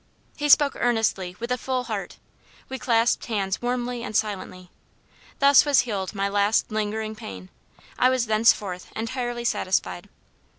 He spoke earnestly, with a full heart. We clasped hands warmly and silently. Thus was healed my last lingering pain I was thenceforward entirely satisfied.